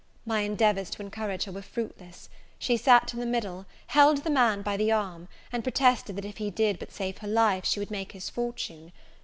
My endeavours to encourage her were fruitless: she sat in the middle, held the man by the arm, and protested that if he did but save her life, she would make his fortune.